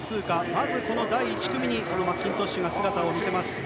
まず、この第１組にマッキントッシュが姿を見せます。